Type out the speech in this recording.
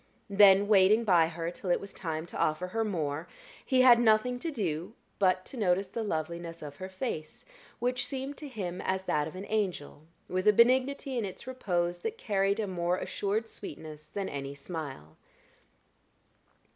Then, waiting by her till it was time to offer her more, he had nothing to do but to notice the loveliness of her face, which seemed to him as that of an angel, with a benignity in its repose that carried a more assured sweetness than any smile.